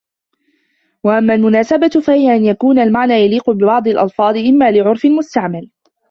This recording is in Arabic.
وَأَمَّا الْمُنَاسَبَةُ فَهِيَ أَنْ يَكُونَ الْمَعْنَى يَلِيقُ بِبَعْضِ الْأَلْفَاظِ إمَّا لِعُرْفٍ مُسْتَعْمَلٍ